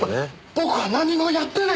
僕は何もやってない！